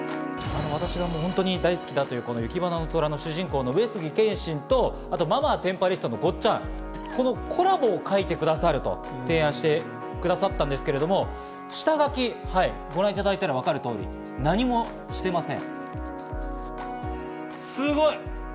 私は大好きだという『雪花の虎』の上杉謙信と『ママはテンパリスト』のごっちゃん、このコラボを描いてくださると提案してくださったんですけれども、下描きはご覧いただいていて分かるとおり、何もしていません。